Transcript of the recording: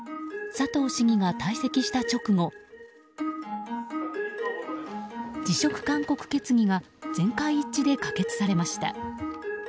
佐藤市議が退席した直後辞職勧告決議が全会一致で可決されました。